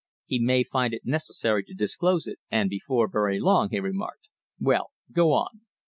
"He may find it necessary to disclose it, and before very long," he remarked. "Well, go on."